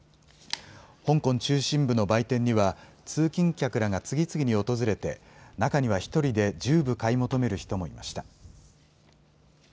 香港中心部の売店には通勤客らが次々に訪れて中には１人で１０部買い求める人もいました。